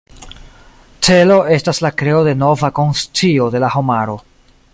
Celo estas la kreo de nova konscio de la homaro.